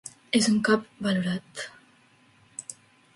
És un cap valorat.